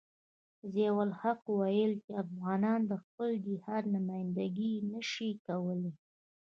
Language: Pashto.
ضیاء الحق ویل چې افغانان د خپل جهاد نمايندګي نشي کولای.